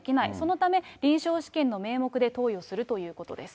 そのため臨床試験の名目で投与するということです。